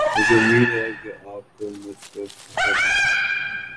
مجھے اُمّید ہے کی اپ کو مجھ پر فخر ہے۔